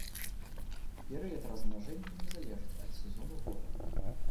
Перыяд размнажэння не залежыць ад сезону года.